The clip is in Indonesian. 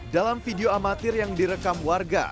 dalam video amatir yang direkam warga